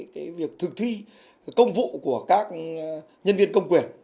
cái việc thực thi công vụ của các nhân viên công quyền